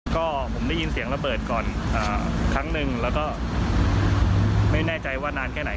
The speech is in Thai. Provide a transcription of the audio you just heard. ก็ผมได้ยินเสียงระเบิดก่อนครั้งหนึ่งแล้วก็ไม่แน่ใจว่านานแค่ไหน